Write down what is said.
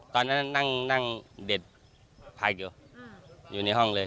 ตอนนั้นนั่งเด็ดผักอยู่อยู่ในห้องเลย